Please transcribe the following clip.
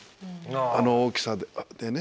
あの大きさで。